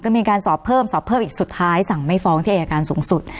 ก็มีการสอบเพิ่มสอบเพิ่มอีกสุดท้ายสั่งไม่ฟ้องที่อายการสูงสุด